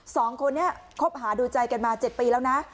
สองคนนี้คบหาดูใจกันมา๗ปีแล้วนะ